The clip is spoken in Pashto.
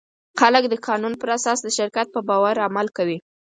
خلک د قانون پر اساس د شرکت په باور عمل کوي.